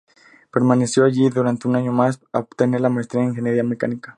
Permaneció allí durante un año más para obtener la maestría en ingeniería mecánica.